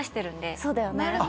そうだよね。